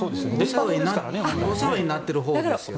お世話になっているほうですよ。